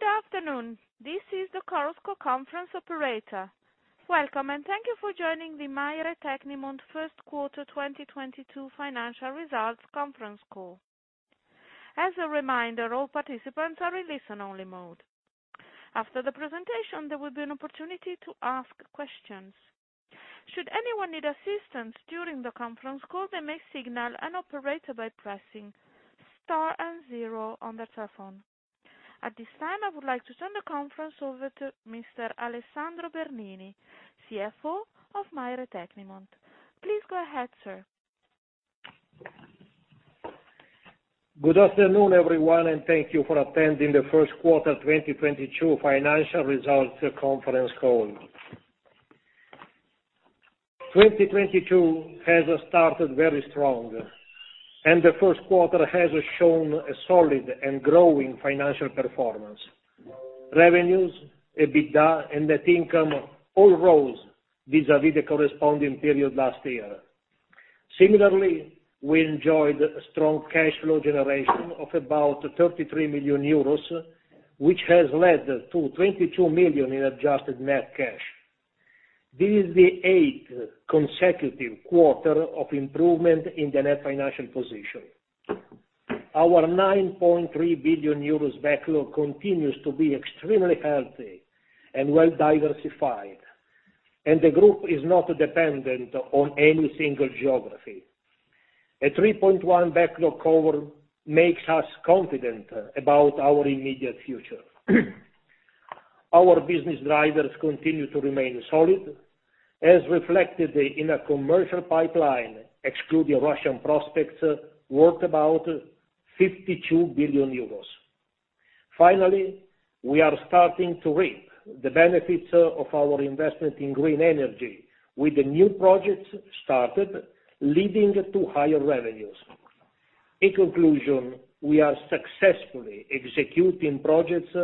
Good afternoon. This is the Chorus Call Conference Operator. Welcome, and thank you for joining the Maire Tecnimont Q1 2022 Financial Results Conference Call. As a reminder, all participants are in listen only mode. After the presentation, there will be an opportunity to ask questions. Should anyone need assistance during the conference call, they may signal an operator by pressing star and zero on their telephone. At this time, I would like to turn the conference over to Mr. Alessandro Bernini, CFO of Maire Tecnimont. Please go ahead, sir. Good afternoon, everyone, and thank you for attending the Q1 2022 financial results conference call. 2022 has started very strong, and the Q1 has shown a solid and growing financial performance. Revenues, EBITDA and net income all rose vis-a-vis the corresponding period last year. Similarly, we enjoyed strong cash flow generation of about 33 million euros, which has led to 22 million in adjusted net cash. This is the eighth consecutive quarter of improvement in the net financial position. Our 9.3 billion euros backlog continues to be extremely healthy and well diversified, and the group is not dependent on any single geography. A 3.1 backlog cover makes us confident about our immediate future. Our business drivers continue to remain solid, as reflected in a commercial pipeline, excluding Russian prospects, worth about 52 billion euros. Finally, we are starting to reap the benefits of our investment in green energy, with the new projects started leading to higher revenues. In conclusion, we are successfully executing projects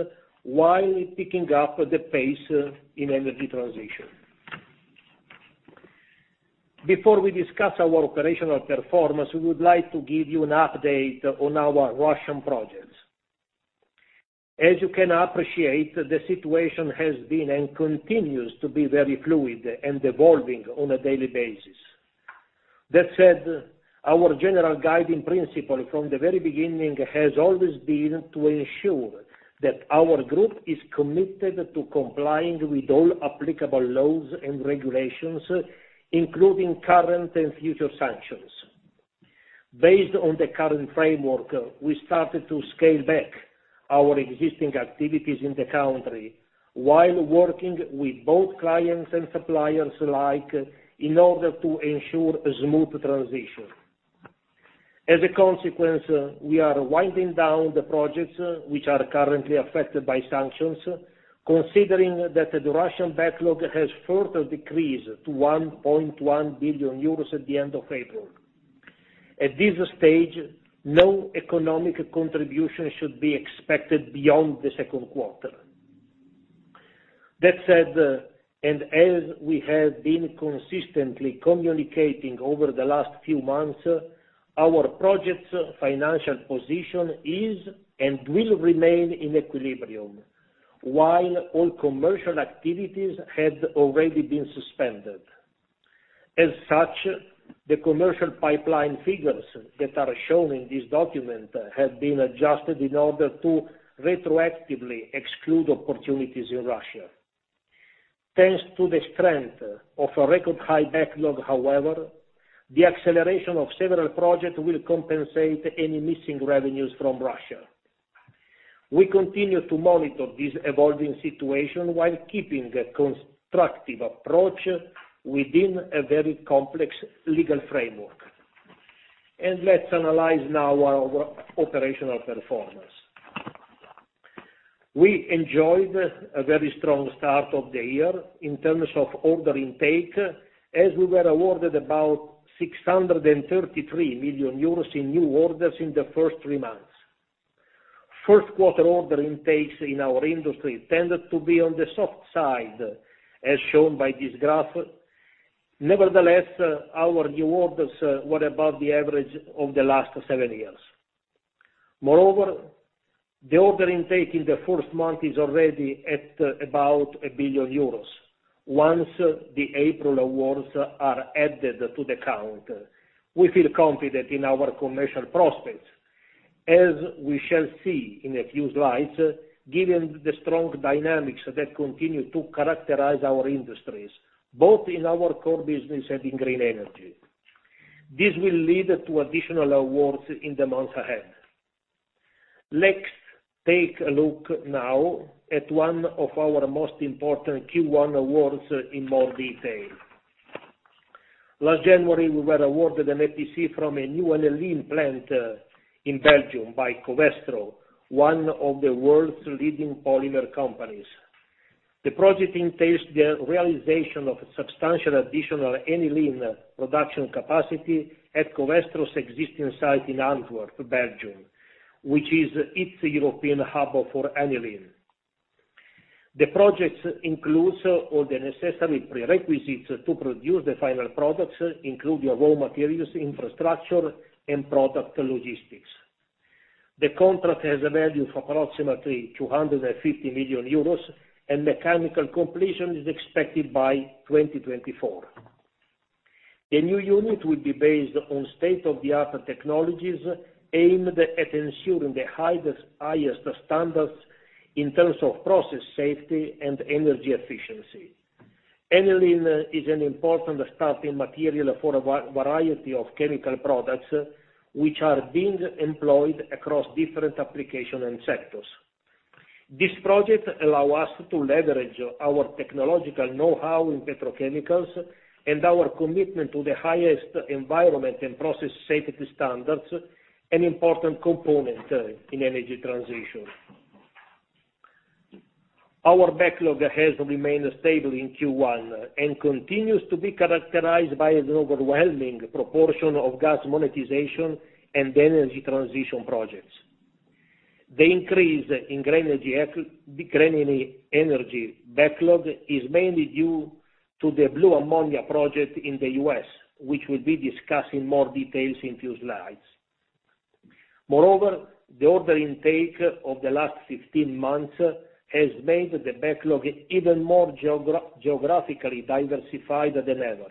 while picking up the pace in energy transition. Before we discuss our operational performance, we would like to give you an update on our Russian projects. As you can appreciate, the situation has been and continues to be very fluid and evolving on a daily basis. That said, our general guiding principle from the very beginning has always been to ensure that our group is committed to complying with all applicable laws and regulations, including current and future sanctions. Based on the current framework, we started to scale back our existing activities in the country while working with both clients and suppliers alike in order to ensure a smooth transition. As a consequence, we are winding down the projects which are currently affected by sanctions, considering that the Russian backlog has further decreased to 1.1 billion euros at the end of April. At this stage, no economic contribution should be expected beyond the Q2. That said, and as we have been consistently communicating over the last few months, our projects financial position is and will remain in equilibrium, while all commercial activities had already been suspended. As such, the commercial pipeline figures that are shown in this document have been adjusted in order to retroactively exclude opportunities in Russia. Thanks to the strength of a record high backlog, however, the acceleration of several projects will compensate any missing revenues from Russia. We continue to monitor this evolving situation while keeping a constructive approach within a very complex legal framework. Let's analyze now our operational performance. We enjoyed a very strong start of the year in terms of order intake, as we were awarded about 633 million euros in new orders in the first three months. Q1 order intakes in our industry tended to be on the soft side, as shown by this graph. Nevertheless, our new orders were above the average of the last seven years. Moreover, the order intake in the first month is already at about 1 billion euros, once the April awards are added to the count. We feel confident in our commercial prospects, as we shall see in a few slides, given the strong dynamics that continue to characterize our industries, both in our core business and in green energy. This will lead to additional awards in the months ahead. Let's take a look now at one of our most important Q1 awards in more detail. Last January, we were awarded an EPC for a new aniline plant in Belgium by Covestro, one of the world's leading polymer companies. The project entails the realization of substantial additional aniline production capacity at Covestro's existing site in Antwerp, Belgium, which is its European hub for aniline. The project includes all the necessary prerequisites to produce the final products, including raw materials, infrastructure, and product logistics. The contract has a value of approximately 250 million euros, and mechanical completion is expected by 2024. The new unit will be based on state-of-the-art technologies aimed at ensuring the highest standards in terms of process safety and energy efficiency. Aniline is an important starting material for a variety of chemical products which are being employed across different applications and sectors. This project allow us to leverage our technological know-how in petrochemicals and our commitment to the highest environmental and process safety standards, an important component in energy transition. Our backlog has remained stable in Q1 and continues to be characterized by an overwhelming proportion of gas monetization and the energy transition projects. The increase in green energy backlog is mainly due to the blue ammonia project in the US, which we'll be discussing more details in few slides. Moreover, the order intake of the last 15 months has made the backlog even more geographically diversified than ever,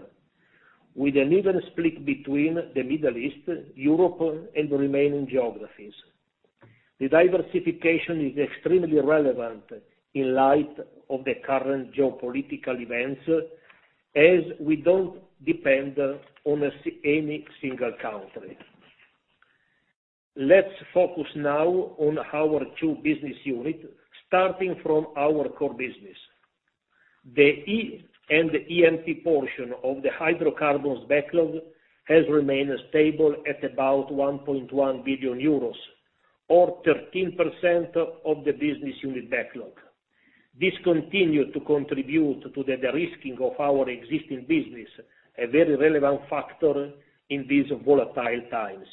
with an even split between the Middle East, Europe, and remaining geographies. The diversification is extremely relevant in light of the current geopolitical events as we don't depend on any single country. Let's focus now on our two business units, starting from our core business. The E&P portion of the hydrocarbons backlog has remained stable at about 1.1 billion euros or 13% of the business unit backlog. This continue to contribute to the de-risking of our existing business, a very relevant factor in these volatile times.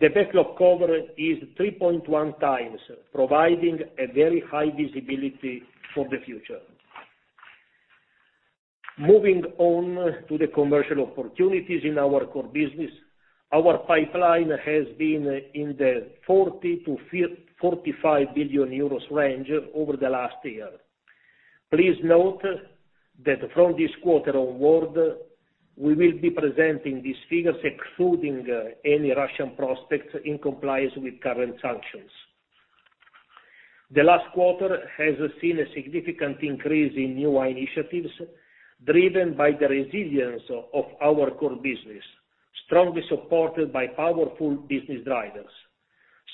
The backlog cover is 3.1 times, providing a very high visibility for the future. Moving on to the commercial opportunities in our core business, our pipeline has been in the 40 billion-45 billion euros range over the last year. Please note that from this quarter onward, we will be presenting these figures excluding any Russian prospects in compliance with current sanctions. The last quarter has seen a significant increase in new initiatives driven by the resilience of our core business, strongly supported by powerful business drivers.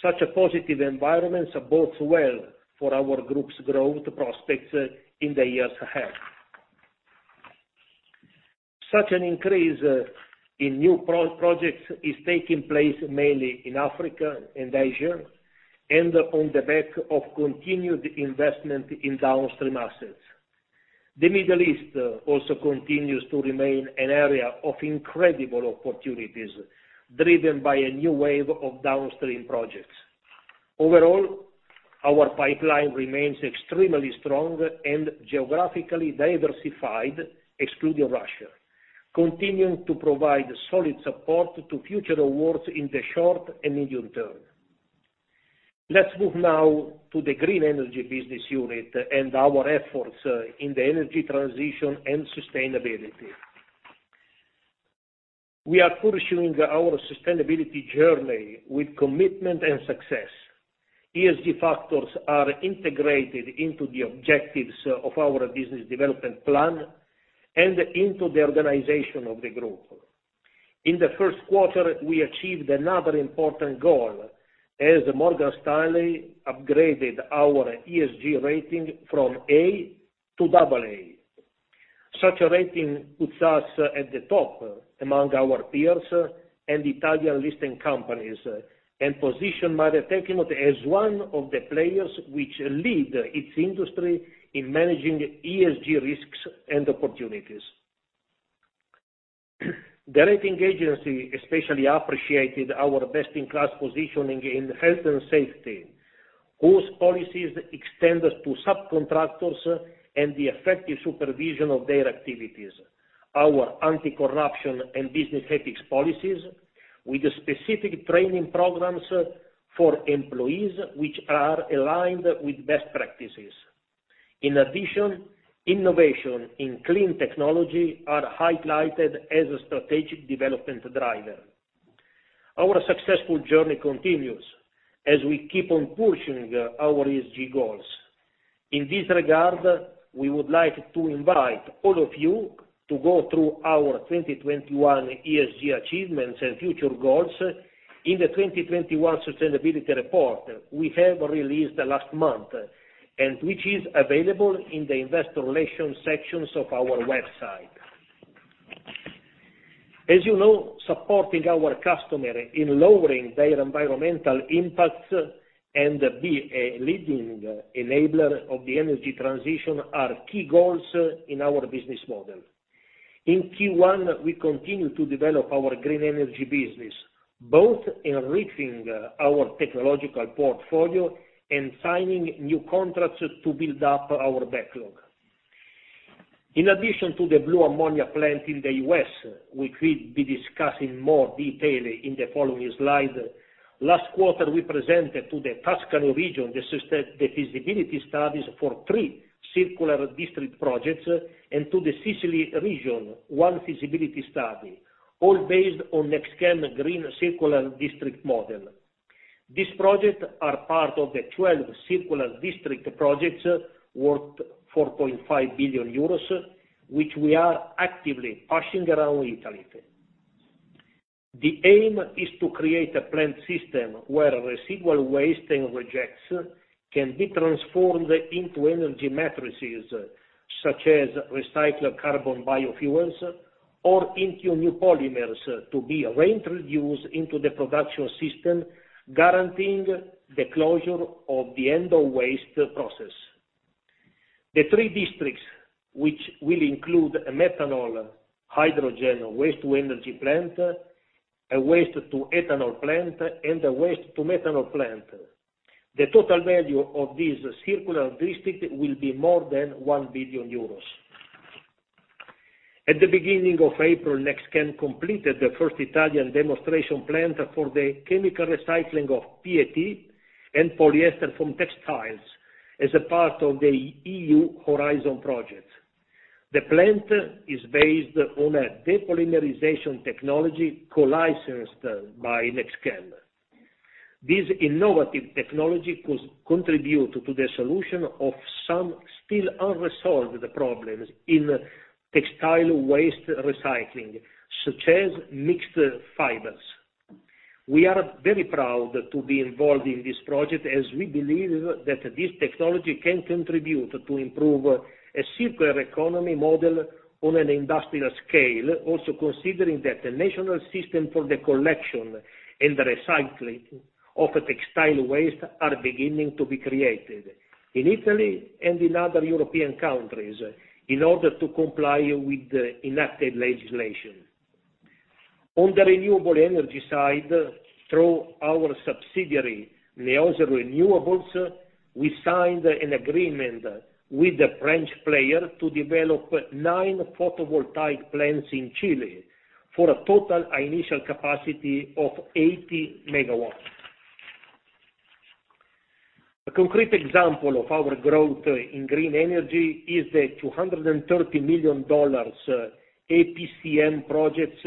Such a positive environment supports well for our group's growth prospects in the years ahead. Such an increase in new projects is taking place mainly in Africa and Asia and on the back of continued investment in downstream assets. The Middle East also continues to remain an area of incredible opportunities, driven by a new wave of downstream projects. Overall, our pipeline remains extremely strong and geographically diversified, excluding Russia, continuing to provide solid support to future awards in the short and medium term. Let's move now to the green energy business unit and our efforts in the energy transition and sustainability. We are pursuing our sustainability journey with commitment and success. ESG factors are integrated into the objectives of our business development plan and into the organization of the group. In the Q1, we achieved another important goal as MSCI upgraded our ESG rating from A to AA. Such a rating puts us at the top among our peers and Italian listed companies and position Maire Tecnimont as one of the players which lead its industry in managing ESG risks and opportunities. The rating agency especially appreciated our best in class positioning in health and safety, whose policies extend to subcontractors and the effective supervision of their activities, our anti-corruption and business ethics policies with specific training programs for employees which are aligned with best practices. In addition, innovation in clean technology are highlighted as a strategic development driver. Our successful journey continues as we keep on pushing our ESG goals. In this regard, we would like to invite all of you to go through our 2021 ESG achievements and future goals in the 2021 sustainability report we have released last month, and which is available in the investor relations sections of our website. As you know, supporting our customer in lowering their environmental impacts and be a leading enabler of the energy transition are key goals in our business model. In Q1, we continued to develop our green energy business, both enriching our technological portfolio and signing new contracts to build up our backlog. In addition to the blue ammonia plant in the U.S., which we'll be discussing in more detail in the following slide, last quarter, we presented to the Tuscany region the feasibility studies for three circular district projects, and to the Sicily region one feasibility study, all based on NextChem green circular district model. These projects are part of the 12 circular district projects worth 4.5 billion euros, which we are actively pushing around Italy. The aim is to create a plant system where residual waste and rejects can be transformed into energy matrices, such as recycled carbon biofuels or into new polymers to be reintroduced into the production system, guaranteeing the closure of the end of waste process. The three districts, which will include a methanol hydrogen waste to energy plant, a waste to ethanol plant, and a waste to methanol plant. The total value of this circular district will be more than 1 billion euros. At the beginning of April, NextChem completed the first Italian demonstration plant for the chemical recycling of PET and polyester from textiles as a part of the EU Horizon project. The plant is based on a depolymerization technology co-licensed by NextChem. This innovative technology can contribute to the solution of some still unresolved problems in textile waste recycling, such as mixed fibers. We are very proud to be involved in this project, as we believe that this technology can contribute to improve a circular economy model on an industrial scale, also considering that the national system for the collection and recycling of textile waste are beginning to be created, in Italy and in other European countries, in order to comply with the enacted legislation. On the renewable energy side, through our subsidiary, Neosia Renewables, we signed an agreement with a French player to develop nine photovoltaic plants in Chile for a total initial capacity of 80 MW. A concrete example of our growth in green energy is the $230 million EPCM project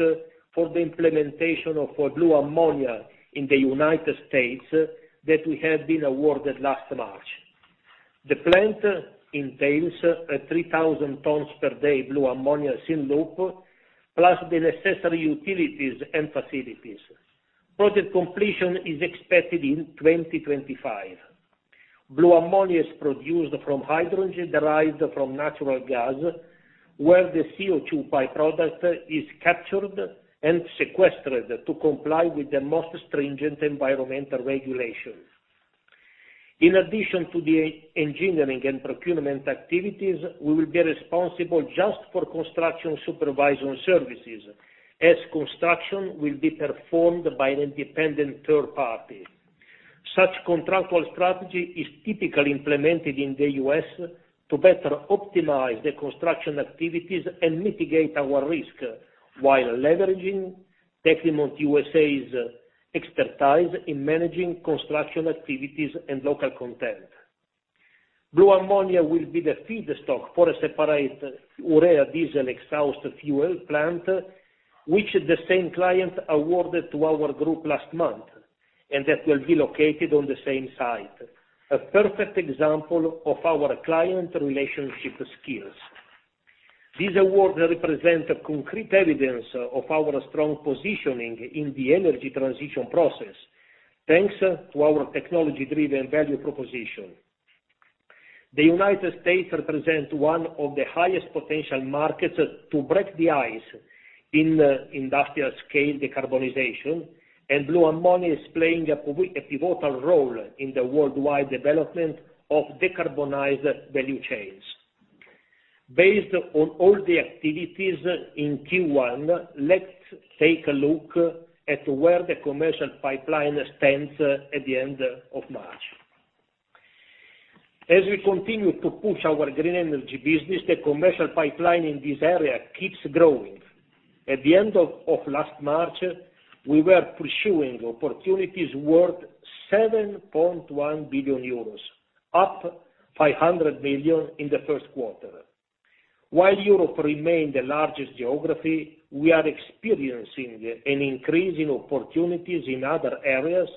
for the implementation of blue ammonia in the United States, that we have been awarded last March. The plant entails a 3,000 tons per day blue ammonia synloop, plus the necessary utilities and facilities. Project completion is expected in 2025. Blue ammonia is produced from hydrogen derived from natural gas, where the CO2 by-product is captured and sequestered to comply with the most stringent environmental regulations. In addition to the engineering and procurement activities, we will be responsible just for construction supervision services, as construction will be performed by an independent third party. Such contractual strategy is typically implemented in the US to better optimize the construction activities and mitigate our risk, while leveraging Tecnimont USA's expertise in managing construction activities and local content. Blue ammonia will be the feedstock for a separate urea diesel exhaust fluid plant, which the same client awarded to our group last month, and that will be located on the same site. A perfect example of our client relationship skills. This award represents a concrete evidence of our strong positioning in the energy transition process, thanks to our technology-driven value proposition. The United States represents one of the highest potential markets to break the ice in industrial scale decarbonization, and blue ammonia is playing a pivotal role in the worldwide development of decarbonized value chains. Based on all the activities in Q1, let's take a look at where the commercial pipeline stands at the end of March. As we continue to push our green energy business, the commercial pipeline in this area keeps growing. At the end of last March, we were pursuing opportunities worth 7.1 billion euros, up 500 million in the Q1. While Europe remained the largest geography, we are experiencing an increase in opportunities in other areas,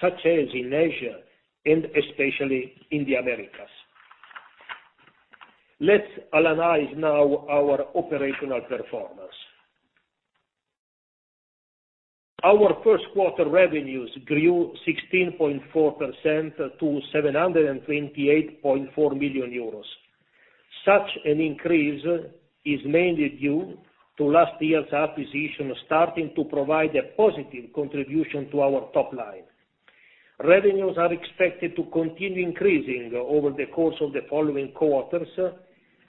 such as in Asia and especially in the Americas. Let's analyze now our operational performance. Our Q1revenues grew 16.4% to 728.4 million euros. Such an increase is mainly due to last year's acquisition starting to provide a positive contribution to our top line. Revenues are expected to continue increasing over the course of the following quarters,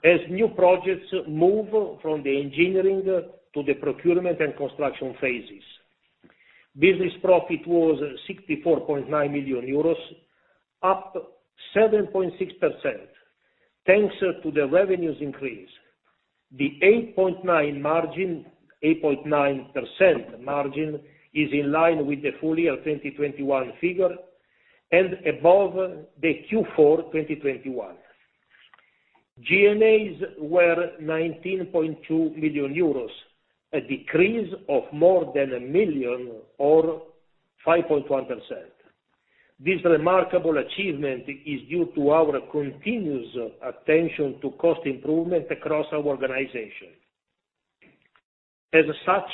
as new projects move from the engineering to the procurement and construction phases. Business profit was 64.9 million euros, up 7.6%, thanks to the revenues increase. The 8.9 margin, 8.9% margin is in line with the full year 2021 figure and above the Q4 2021. G&As were 19.2 million euros, a decrease of more than 1 million or 5.1%. This remarkable achievement is due to our continuous attention to cost improvement across our organization. As such,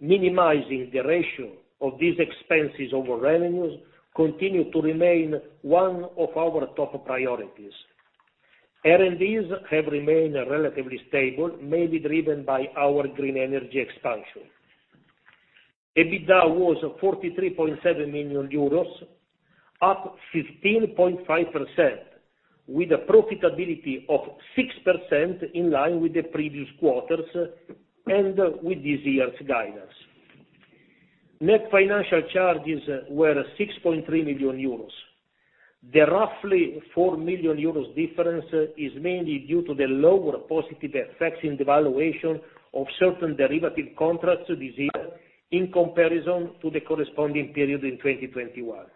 minimizing the ratio of these expenses over revenues continue to remain one of our top priorities. R&D has remained relatively stable, mainly driven by our green energy expansion. EBITDA was 43.7 million euros, up 15.5%, with a profitability of 6% in line with the previous quarters and with this year's guidance. Net financial charges were 6.3 million euros. The roughly 4 million euros difference is mainly due to the lower positive effects in the valuation of certain derivative contracts this year in comparison to the corresponding period in 2021.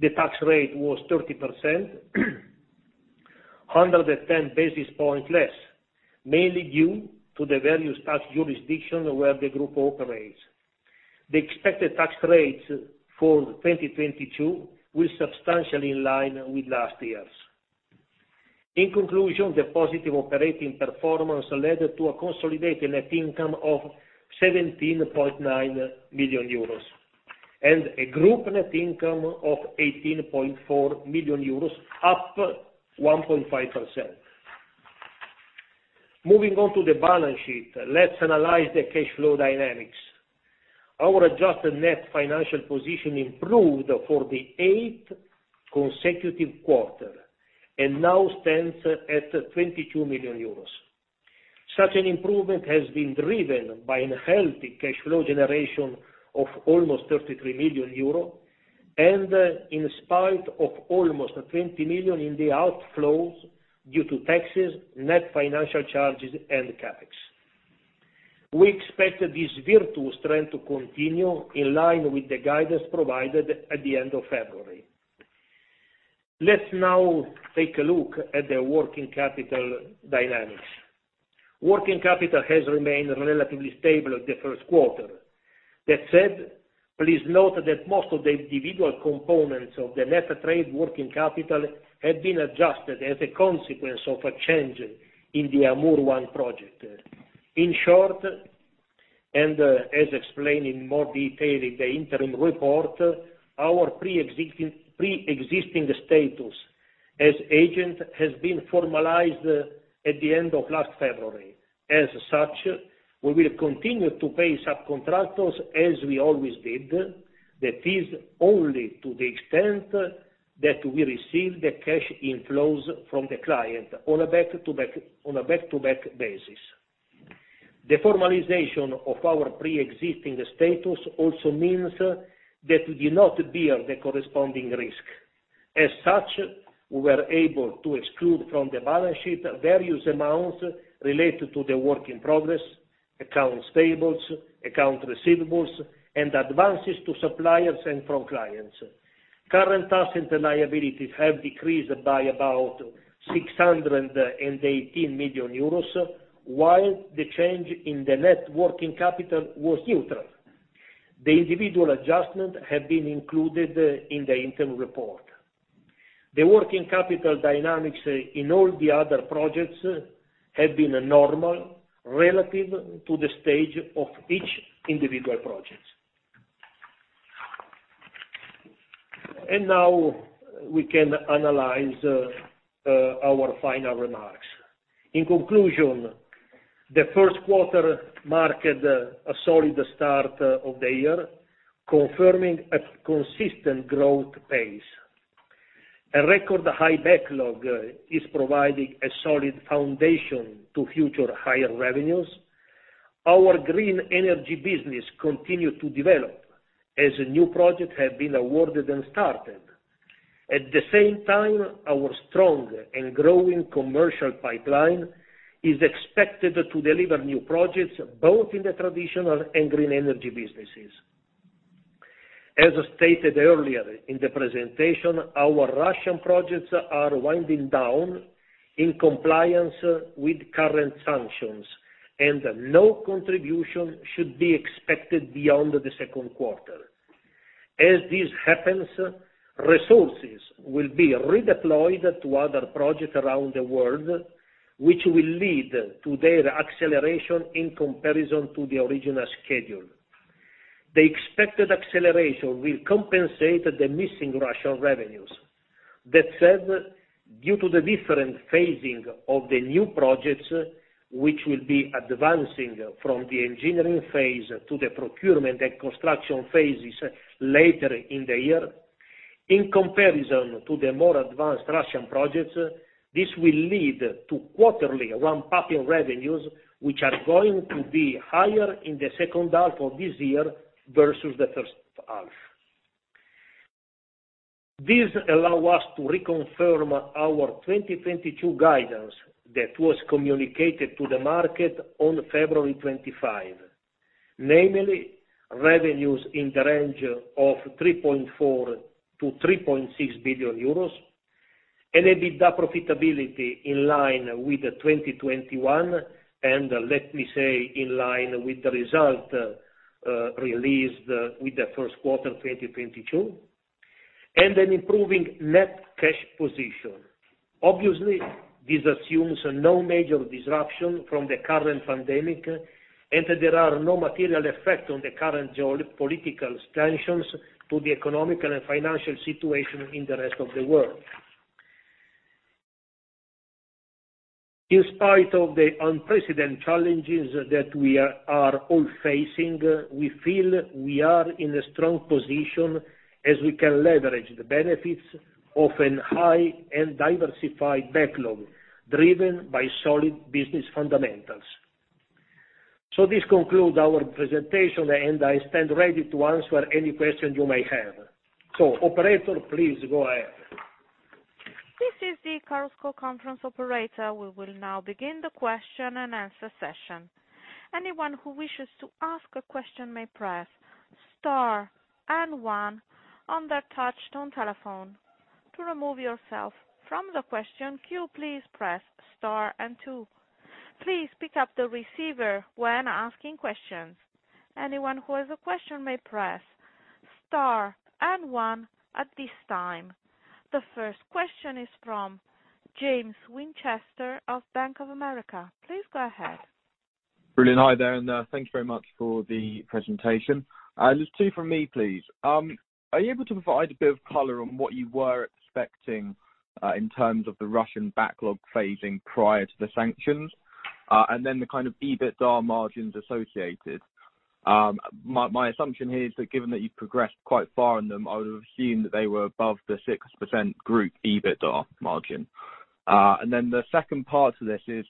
The tax rate was 30%, 110 basis points less, mainly due to the various tax jurisdiction where the group operates. The expected tax rates for 2022 were substantially in line with last year's. In conclusion, the positive operating performance led to a consolidated net income of 17.9 million euros and a group net income of 18.4 million euros, up 1.5%. Moving on to the balance sheet, let's analyze the cash flow dynamics. Our adjusted net financial position improved for the eighth consecutive quarter and now stands at 22 million euros. Such an improvement has been driven by a healthy cash flow generation of almost 33 million euro, and in spite of almost 20 million in the outflows due to taxes, net financial charges, and CapEx. We expect this virtuous trend to continue in line with the guidance provided at the end of February. Let's now take a look at the working capital dynamics. Working capital has remained relatively stable in the Q1. That said, please note that most of the individual components of the net trade working capital have been adjusted as a consequence of a change in the Amur GPP project. In short, as explained in more detail in the interim report, our pre-existing status as agent has been formalized at the end of last February. As such, we will continue to pay subcontractors as we always did, that is only to the extent that we receive the cash inflows from the client on a back-to-back basis. The formalization of our pre-existing status also means that we do not bear the corresponding risk. As such, we were able to exclude from the balance sheet various amounts related to the work in progress, accounts payable, accounts receivable, and advances to suppliers and from clients. Current assets and liabilities have decreased by about 618 million euros, while the change in the net working capital was neutral. The individual adjustments have been included in the interim report. The working capital dynamics in all the other projects have been normal relative to the stage of each individual project. Now we can analyze our final remarks. In conclusion, the Q1 marked a solid start of the year, confirming a consistent growth pace. A record high backlog is providing a solid foundation to future higher revenues. Our green energy business continue to develop as new projects have been awarded and started. At the same time, our strong and growing commercial pipeline is expected to deliver new projects both in the traditional and green energy businesses. As stated earlier in the presentation, our Russian projects are winding down in compliance with current sanctions, and no contribution should be expected beyond the Q2. As this happens, resources will be redeployed to other projects around the world, which will lead to their acceleration in comparison to the original schedule. The expected acceleration will compensate the missing Russian revenues. That said, due to the different phasing of the new projects, which will be advancing from the engineering phase to the procurement and construction phases later in the year, in comparison to the more advanced Russian projects, this will lead to quarterly ramp-up in revenues, which are going to be higher in the second half of this year versus the first half. This allow us to reconfirm our 2022 guidance that was communicated to the market on February 25. Namely, revenues in the range of 3.4 billion-3.6 billion euros, and EBITDA profitability in line with 2021, and let me say, in line with the result released with the Q1 2022, and an improving net cash position. Obviously, this assumes no major disruption from the current pandemic, and that there are no material effect on the current geo-political tensions to the economic and financial situation in the rest of the world. In spite of the unprecedented challenges that we are all facing, we feel we are in a strong position as we can leverage the benefits of a high and diversified backlog driven by solid business fundamentals. This concludes our presentation, and I stand ready to answer any question you may have. Operator, please go ahead. This is the Chorus Call conference operator. We will now begin the question and answer session. Anyone who wishes to ask a question may press star and one on their touch tone telephone. To remove yourself from the question queue, please press star and two. Please pick up the receiver when asking questions. Anyone who has a question may press star and one at this time. The first question is from James Winchester of Bank of America. Please go ahead. Brilliant. Hi there, and thank you very much for the presentation. Just two from me, please. Are you able to provide a bit of color on what you were expecting in terms of the Russian backlog phasing prior to the sanctions? The kind of EBITDA margins associated. My assumption here is that given that you've progressed quite far in them, I would've assumed that they were above the 6% group EBITDA margin. The second part to this is,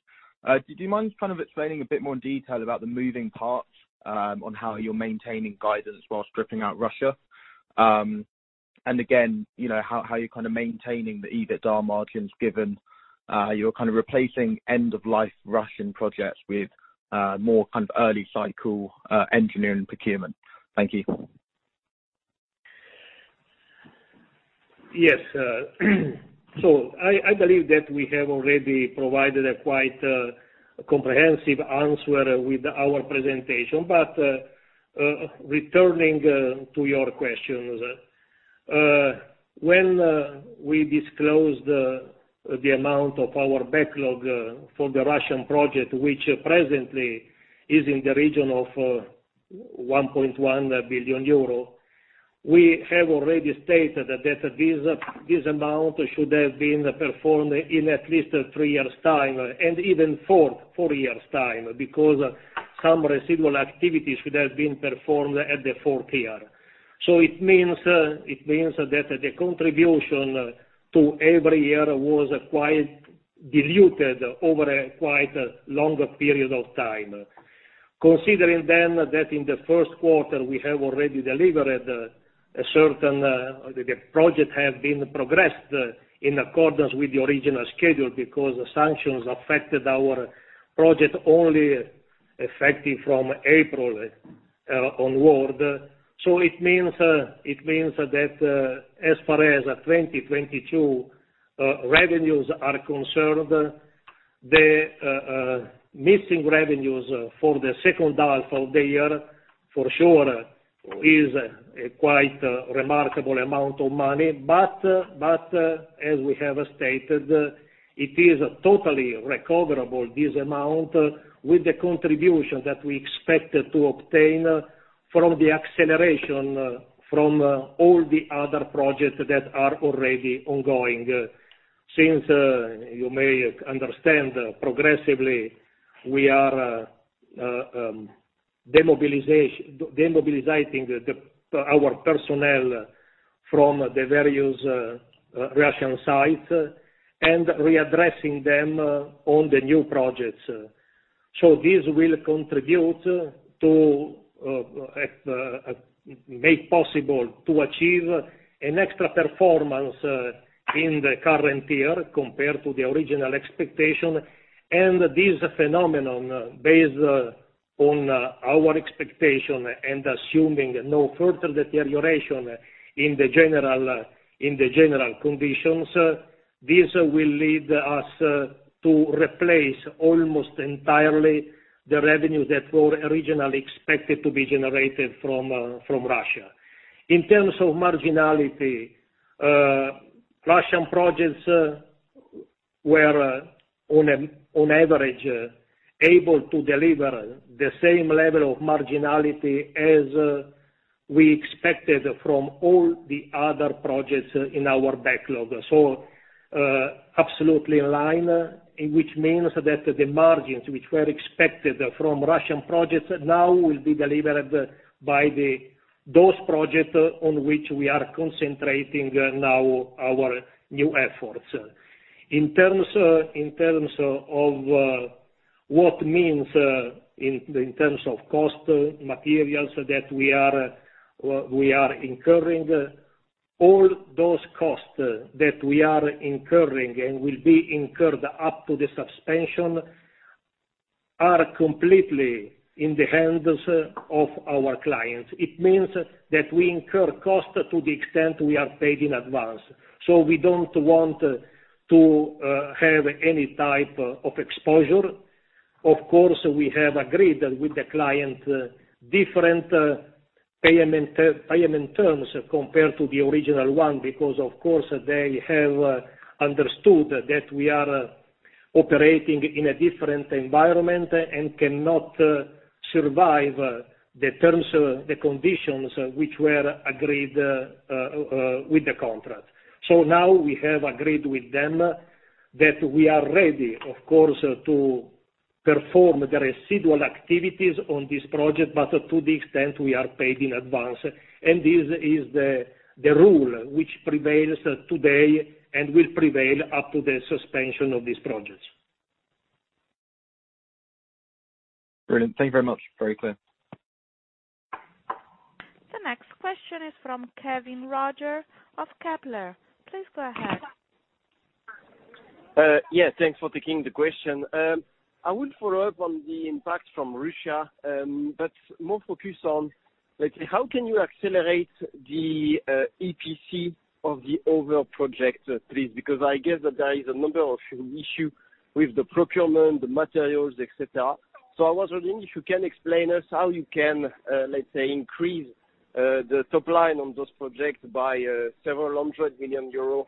do you mind kind of explaining a bit more detail about the moving parts on how you're maintaining guidance while stripping out Russia? Again, you know, how you're kind of maintaining the EBITDA margins given you're kind of replacing end of life Russian projects with more kind of early cycle engineering procurement? Thank you. Yes. I believe that we have already provided a quite comprehensive answer with our presentation. Returning to your questions. When we disclosed the amount of our backlog for the Russian project, which presently is in the region of 1.1 billion euro, we have already stated that this amount should have been performed in at least three years' time, and even four years' time, because some residual activities should have been performed at the fourth year. It means that the contribution to every year was quite diluted over a quite longer period of time. Considering that in the Q1 we have already delivered a certain, the project has been progressed in accordance with the original schedule because the sanctions affected our project only effective from April onward. It means that as far as 2022 revenues are concerned, the missing revenues for the second half of the year for sure is a quite remarkable amount of money. As we have stated, it is totally recoverable, this amount, with the contribution that we expect to obtain from the acceleration of all the other projects that are already ongoing. As you may understand progressively, we are demobilizing our personnel from the various Russian sites and redirecting them to the new projects. This will contribute to make possible to achieve an extra performance in the current year compared to the original expectation. This phenomenon based on our expectation and assuming no further deterioration in the general conditions will lead us to replace almost entirely the revenue that were originally expected to be generated from Russia. In terms of marginality, Russian projects were on average able to deliver the same level of marginality as we expected from all the other projects in our backlog. Absolutely in line, which means that the margins which were expected from Russian projects now will be delivered by those projects on which we are concentrating now our new efforts. In terms of cost materials that we are incurring, all those costs that we are incurring and will be incurred up to the suspension are completely in the hands of our clients. It means that we incur costs to the extent we are paid in advance. We don't want to have any type of exposure. Of course, we have agreed with the client different payment terms compared to the original one, because of course, they have understood that we are operating in a different environment, and cannot survive the terms and conditions which were agreed with the contract. Now we have agreed with them that we are ready, of course, to perform the residual activities on this project, but to the extent we are paid in advance. This is the rule which prevails today and will prevail up to the suspension of these projects. Brilliant. Thank you very much. Very clear. The next question is from Kevin Roger of Kepler. Please go ahead. Yeah, thanks for taking the question. I will follow up on the impact from Russia, but more focus on, like, how can you accelerate the EPC of the overall project, please? Because I guess that there is a number of issue with the procurement, the materials, et cetera. I was wondering if you can explain to us how you can, let's say, increase the top line on those projects by several hundred million EUR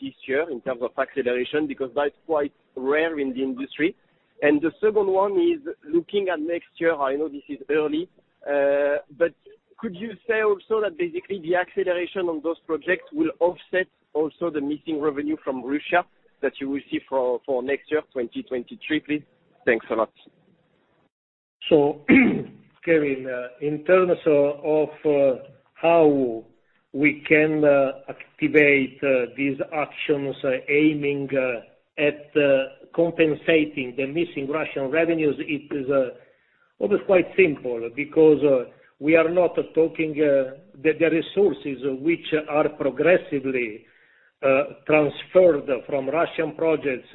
this year in terms of acceleration, because that's quite rare in the industry. The second one is looking at next year, I know this is early, but could you say also that basically the acceleration on those projects will offset also the missing revenue from Russia that you will see for next year, 2023, please? Thanks a lot. Kevin, in terms of how we can activate these actions aiming at compensating the missing Russian revenues, it is always quite simple. Because we are not talking the resources which are progressively transferred from Russian projects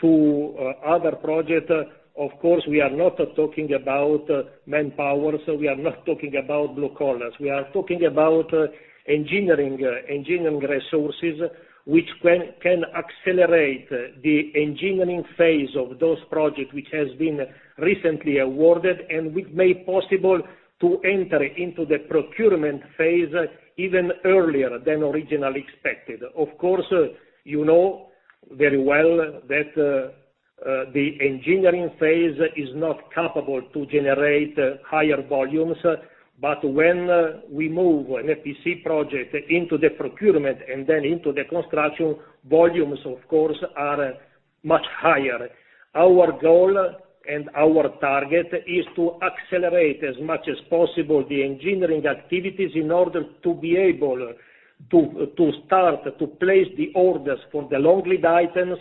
to other projects, of course, we are not talking about manpower, so we are not talking about blue collars. We are talking about engineering resources which can accelerate the engineering phase of those projects which has been recently awarded, and which made possible to enter into the procurement phase even earlier than originally expected. Of course, you know very well that the engineering phase is not capable to generate higher volumes. When we move an EPC project into the procurement and then into the construction, volumes of course are much higher. Our goal and our target is to accelerate as much as possible the engineering activities in order to be able to to start to place the orders for the long lead items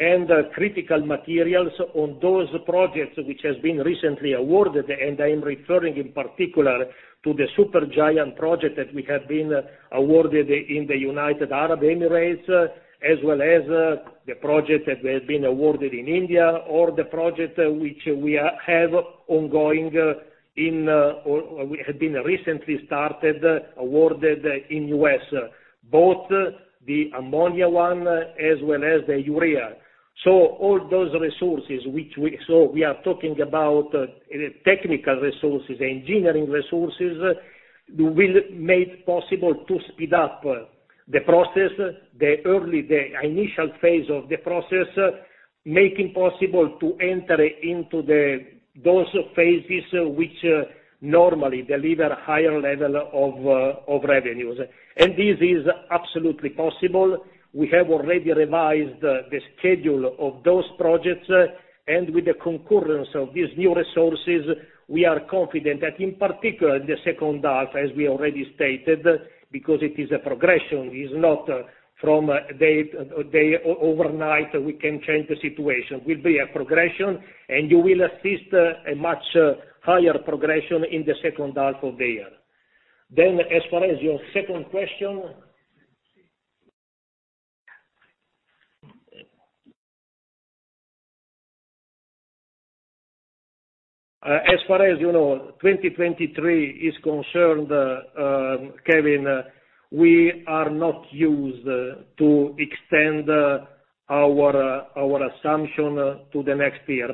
and critical materials on those projects which has been recently awarded. I am referring in particular to the super giant project that we have been awarded in the United Arab Emirates, as well as the project that has been awarded in India, or the project which we have ongoing in or we have been recently started awarded in U.S., both the ammonia one as well as the urea. All those resources which we We are talking about technical resources, engineering resources, will make possible to speed up the process, the early, the initial phase of the process, making possible to enter into those phases which normally deliver higher level of revenues. This is absolutely possible. We have already revised the schedule of those projects, and with the concurrence of these new resources, we are confident that in particular, the second half, as we already stated, because it is a progression, is not from a day overnight, we can change the situation, will be a progression, and you will witness a much higher progression in the second half of the year. As far as your second question. As far as, you know, 2023 is concerned, Kevin, we are not used to extend our assumption to the next year.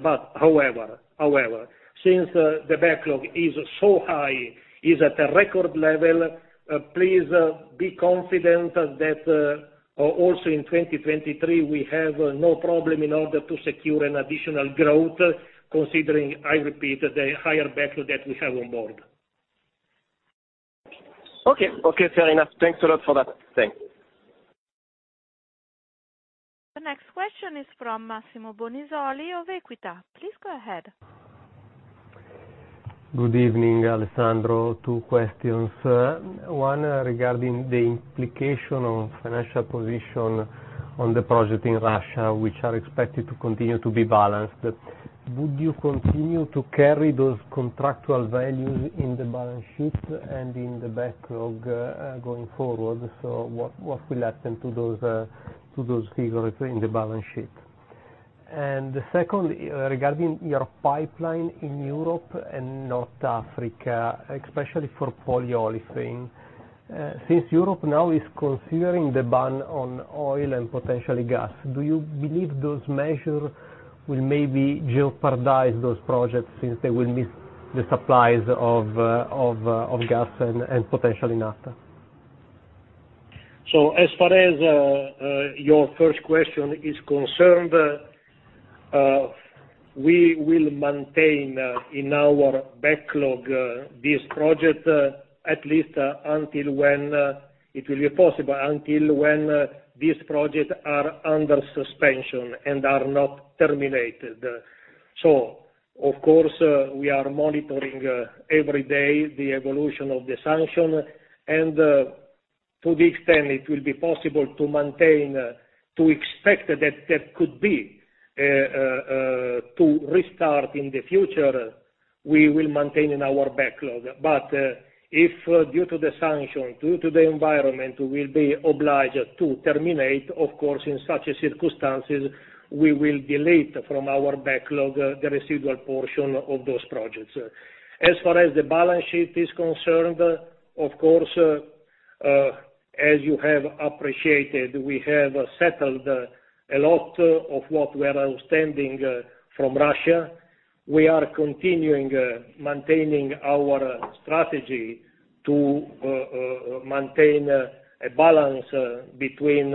Since the backlog is so high at a record level, please be confident that also in 2023 we have no problem in order to secure an additional growth, considering, I repeat, the higher backlog that we have on board. Okay. Okay, fair enough. Thanks a lot for that. Thanks. The next question is from Massimo Bonisoli of Equita. Please go ahead. Good evening, Alessandro. Two questions. One regarding the implication of financial position on the project in Russia, which are expected to continue to be balanced. Would you continue to carry those contractual values in the balance sheet and in the backlog, going forward? What will happen to those figures in the balance sheet? Second, regarding your pipeline in Europe and North Africa, especially for polyolefin, since Europe now is considering the ban on oil and potentially gas, do you believe those measures will maybe jeopardize those projects since they will miss the supplies of gas and potentially naphtha? As far as your first question is concerned, we will maintain in our backlog this project at least until it will be possible, until these projects are under suspension and are not terminated. Of course, we are monitoring every day the evolution of the sanction, and to the extent it will be possible to maintain, to expect that that could be to restart in the future, we will maintain in our backlog. If due to the sanction, due to the environment, we will be obliged to terminate, of course, in such circumstances, we will delete from our backlog the residual portion of those projects. As far as the balance sheet is concerned, of course, as you have appreciated, we have settled a lot of what we are outstanding from Russia. We are continuing maintaining our strategy to maintain a balance between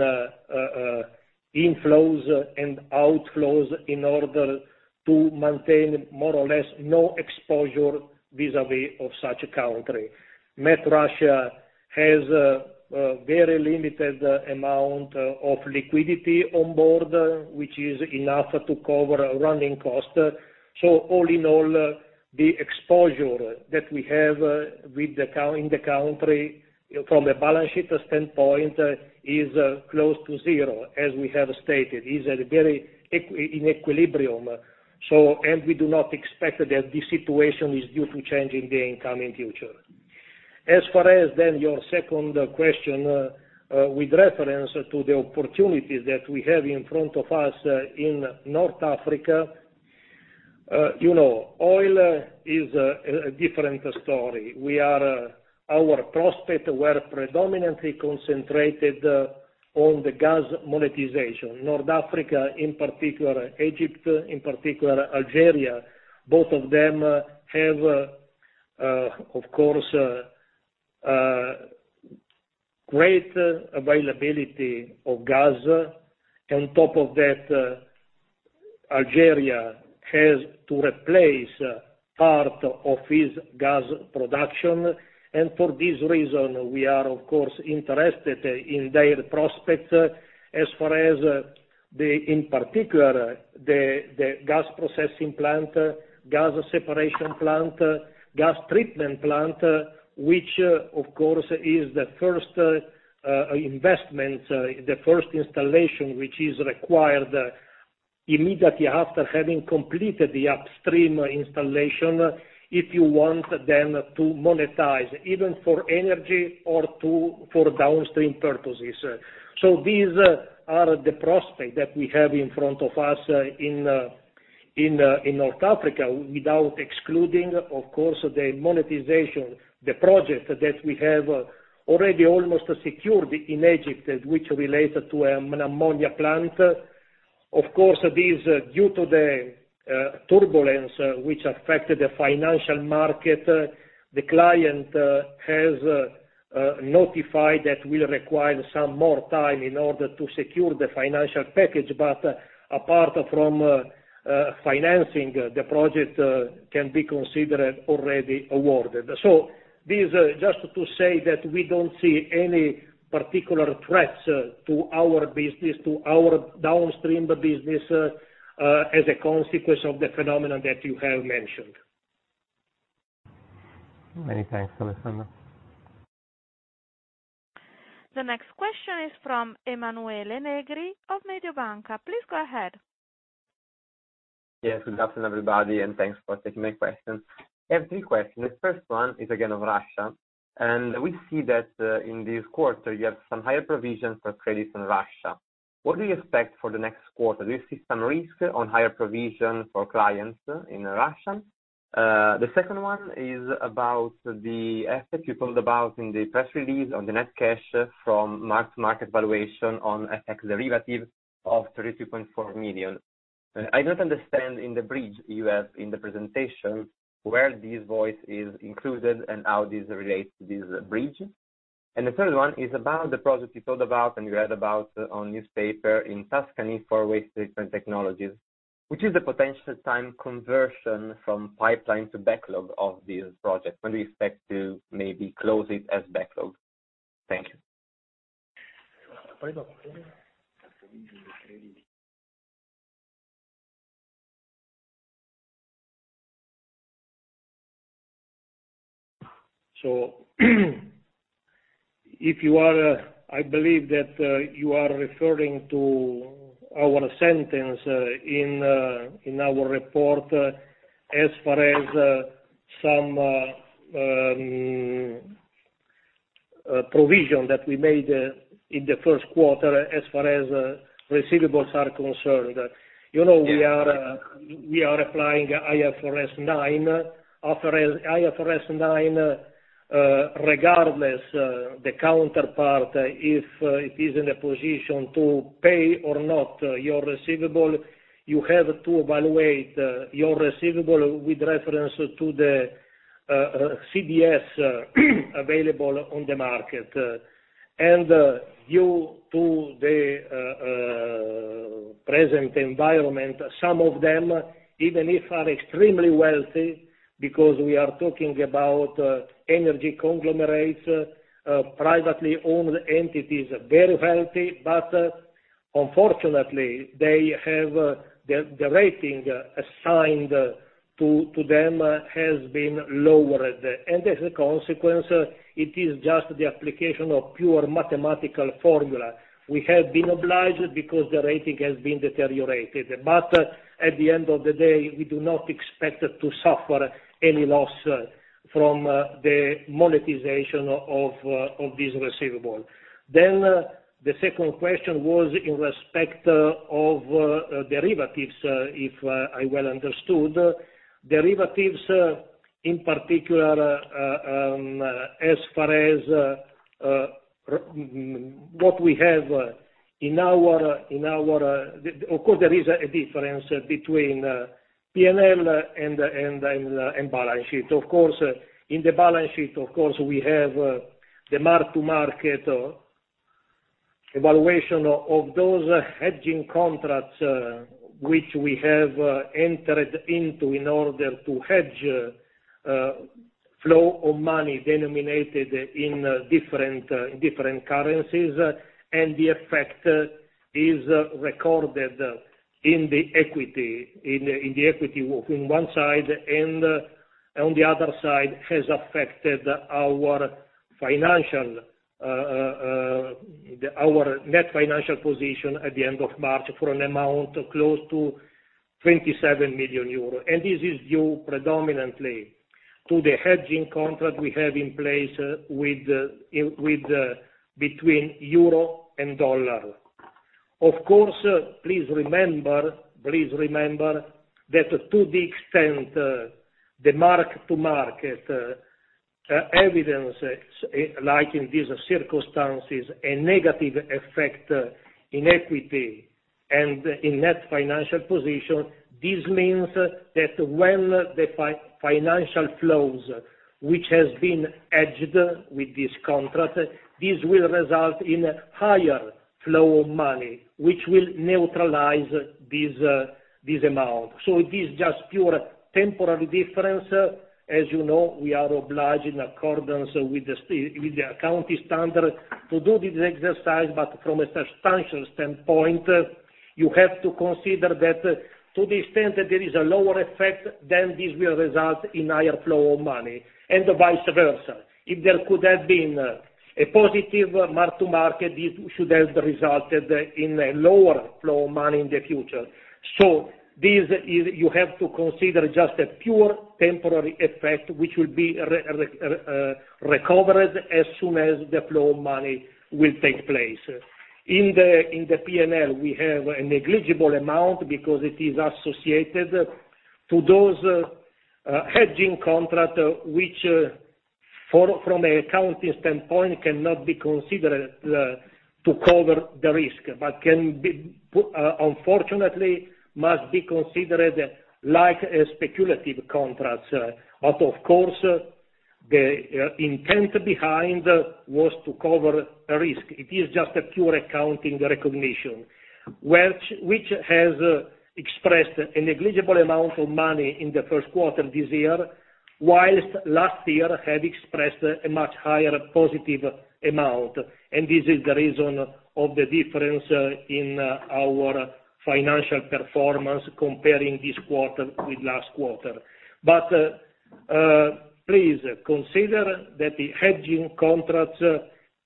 inflows and outflows in order to maintain more or less no exposure vis-à-vis of such a country. MT Russia has a very limited amount of liquidity on board, which is enough to cover running costs. All in all, the exposure that we have in the country from a balance sheet standpoint is close to zero, as we have stated. It is in equilibrium. We do not expect that the situation is due to change in the coming future. As far as then your second question, with reference to the opportunities that we have in front of us in North Africa, you know, oil is a different story. Our prospects were predominantly concentrated on the gas monetization. North Africa, in particular Egypt, in particular Algeria, both of them have, of course, great availability of gas. On top of that, Algeria has to replace part of its gas production. For this reason, we are of course interested in their prospects as far as, in particular, the gas processing plant, gas separation plant, gas treatment plant, which of course is the first investment, the first installation which is required immediately after having completed the upstream installation, if you want them to monetize, even for energy or to, for downstream purposes. These are the prospects that we have in front of us in North Africa, without excluding, of course, the monetization, the project that we have already almost secured in Egypt, which relates to an ammonia plant. Of course, this, due to the turbulence which affected the financial market, the client has notified that will require some more time in order to secure the financial package. Apart from financing, the project can be considered already awarded. This, just to say that we don't see any particular threats to our business, to our downstream business, as a consequence of the phenomenon that you have mentioned. Many thanks, Alessandro. The next question is from Emanuele Negri of Mediobanca. Please go ahead. Yes, good afternoon, everybody, and thanks for taking my questions. I have three questions. First one is again on Russia, and we see that, in this quarter, you have some higher provisions for credits in Russia. What do you expect for the next quarter? Do you see some risk on higher provision for clients in Russia? The second one is about the asset you talked about in the press release on the net cash from mark-to-market valuation on a tax derivative of 32.4 million. I don't understand in the bridge you have in the presentation where this item is included and how this relates to this bridge. The third one is about the project you told about and you read about on newspaper in Tuscany for waste treatment technologies. Which is the potential time conversion from pipeline to backlog of this project? When do you expect to maybe close it as backlog? Thank you. I believe that you are referring to our sentence in our report as far as some provision that we made in the Q1 as far as receivables are concerned. You know, we are applying IFRS 9. After IFRS 9, regardless the counterparty, if it is in a position to pay or not your receivable, you have to evaluate your receivable with reference to the CDS available on the market. And due to the present environment, some of them, even if they are extremely wealthy because we are talking about energy conglomerates, privately owned entities, very wealthy, but unfortunately, they have the rating assigned to them has been lowered. As a consequence, it is just the application of pure mathematical formula. We have been obliged because the rating has been deteriorated. At the end of the day, we do not expect to suffer any loss from the monetization of this receivable. The second question was in respect of derivatives, if I well understood. Derivatives, in particular, as far as what we have in our. Of course, there is a difference between P&L and balance sheet. Of course, in the balance sheet, of course, we have the mark-to-market valuation of those hedging contracts, which we have entered into in order to hedge flow of money denominated in different currencies, and the effect is recorded in the equity on one side, and on the other side has affected our net financial position at the end of March for an amount close to 27 million euros. This is due predominantly to the hedging contract we have in place between euro and dollar. Of course, please remember that to the extent the mark-to-market has been like in these circumstances a negative effect in equity and in net financial position, this means that when the financial flows, which has been hedged with this contract, this will result in higher flow of money, which will neutralize this amount. It is just pure temporary difference. As you know, we are obliged in accordance with the accounting standard to do this exercise. But from a substantial standpoint, you have to consider that to the extent that there is a lower effect, then this will result in higher flow of money and vice versa. If there could have been a positive mark-to-market, this should have resulted in a lower flow of money in the future. You have to consider just a pure temporary effect, which will be recovered as soon as the flow of money will take place. In the P&L, we have a negligible amount because it is associated to those hedging contracts which from an accounting standpoint, cannot be considered to cover the risk, but unfortunately, must be considered like a speculative contracts. But of course, intent behind was to cover a risk. It is just a pure accounting recognition, which has expressed a negligible amount of money in the Q1 this year, while last year had expressed a much higher positive amount. This is the reason of the difference in our financial performance comparing this quarter with last quarter. Please consider that the hedging contracts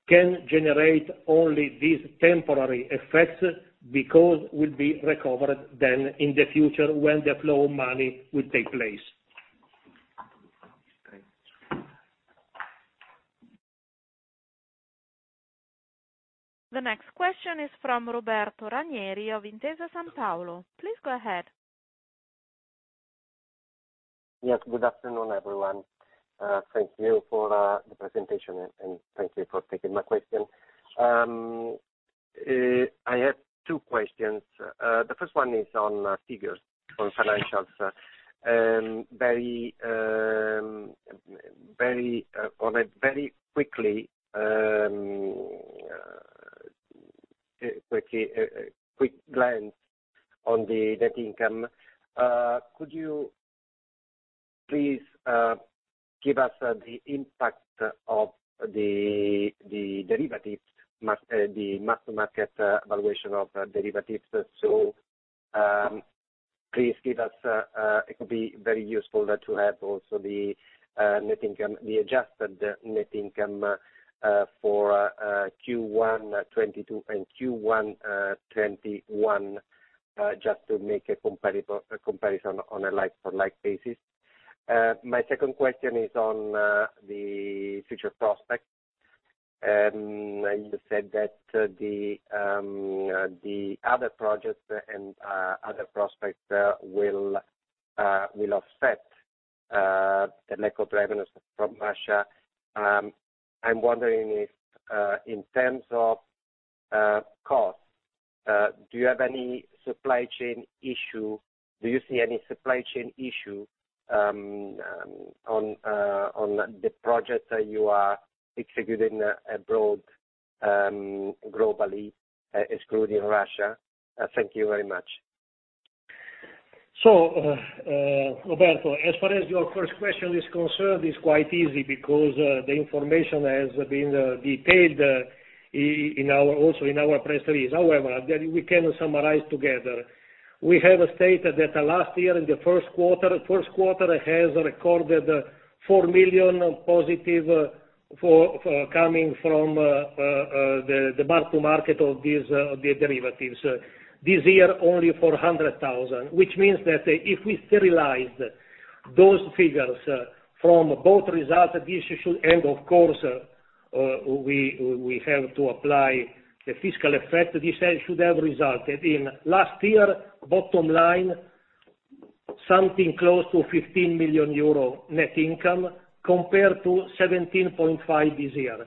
can generate only these temporary effects because will be recovered then in the future when the flow of money will take place. The next question is from Roberto Ranieri of Intesa Sanpaolo. Please go ahead. Yes, good afternoon, everyone. Thank you for the presentation, and thank you for taking my question. I have two questions. The first one is on figures, on financials. On a very quick glance on the net income, could you please give us the impact of the derivatives mark-to-market valuation of derivatives. It could be very useful there to have also the net income, the adjusted net income, for Q1 2022 and Q1 2021, just to make a comparable comparison on a like-for-like basis. My second question is on the future prospects. You said that the other projects and other prospects will offset the lack of revenues from Russia. I'm wondering if in terms of costs do you have any supply chain issue. Do you see any supply chain issue on the projects that you are executing abroad globally excluding Russia. Thank you very much. Roberto, as far as your first question is concerned, it's quite easy because the information has been detailed in our, also in our press release. However, then we can summarize together. We have stated that last year in the Q1 has recorded 4 million positive for coming from the mark-to-market of these derivatives. This year, only 400 thousand, which means that if we sterilize those figures from both results, this should end. Of course, we have to apply the tax effect. This should have resulted in last year, bottom line, something close to 15 million euro net income compared to 17.5 this year,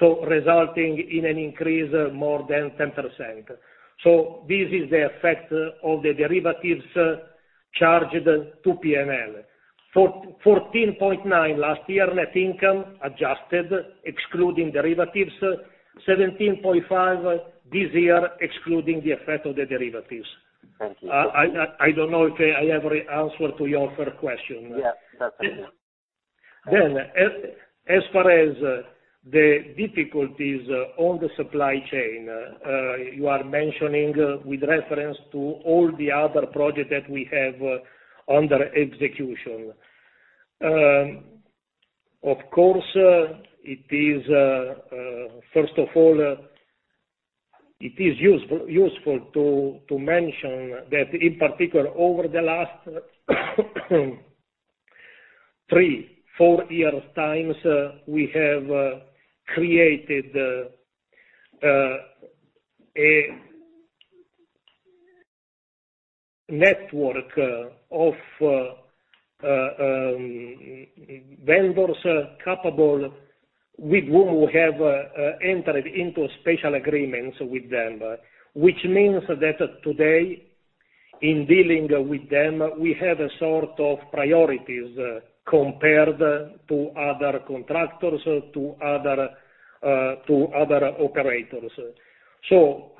so resulting in an increase more than 10%. This is the effect of the derivatives charged to P&L. 414.9 last year, net income adjusted, excluding derivatives. 17.5 this year, excluding the effect of the derivatives. Thank you. I don't know if I have answered to your first question. Yes, that's okay. As far as the difficulties on the supply chain you are mentioning with reference to all the other projects that we have under execution. Of course, first of all, it is useful to mention that in particular, over the last three, four years' time, we have created a network of vendors capable with whom we have entered into special agreements with them. Which means that today, in dealing with them, we have a sort of priorities compared to other contractors, to other operators.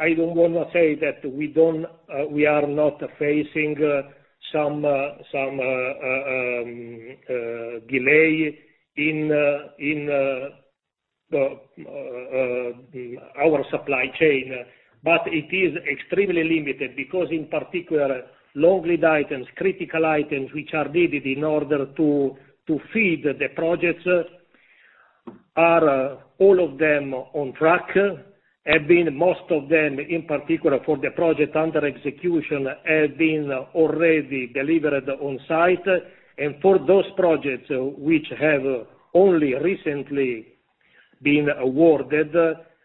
I don't wanna say that we are not facing some delay in our supply chain, but it is extremely limited because in particular, long lead items, critical items which are needed in order to feed the projects are all of them on track, have been most of them, in particular, for the project under execution, have been already delivered on site. For those projects which have only recently been awarded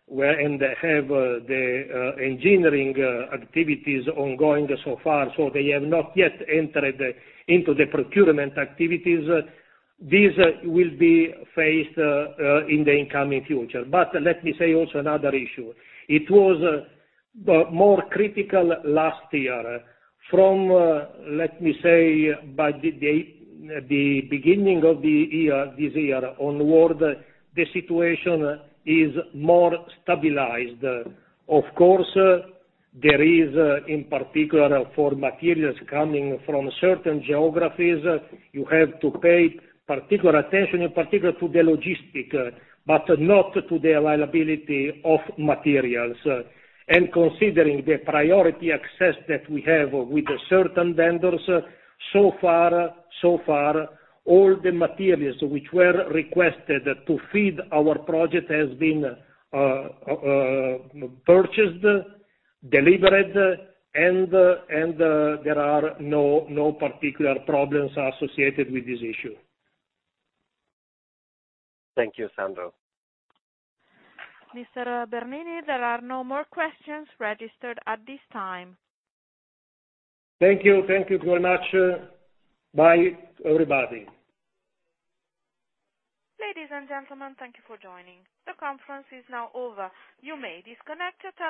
and have the engineering activities ongoing so far, so they have not yet entered into the procurement activities, these will be faced in the incoming future. Let me say also another issue. It was more critical last year. From the beginning of the year, this year onwards, the situation is more stabilized. Of course, there is, in particular, for materials coming from certain geographies, you have to pay particular attention in particular to the logistics, but not to the availability of materials. Considering the priority access that we have with certain vendors, so far, all the materials which were requested to feed our project has been purchased, delivered, and there are no particular problems associated with this issue. Thank you, Alessandro. Mr. Bernini, there are no more questions registered at this time. Thank you. Thank you very much. Bye, everybody. Ladies and gentlemen, thank you for joining. The conference is now over. You may disconnect your telephones.